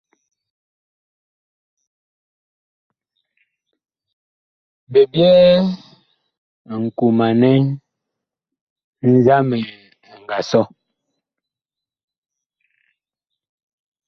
Bi byɛɛ nkomanɛ nzamɛ ɛ nga sɔ.